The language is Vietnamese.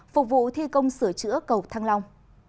phục vụ thi công sửa chữa cầu thăng long